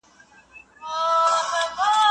هغه وویل چي ډېره ډوډۍ ماڼۍ ته وړل سوې ده.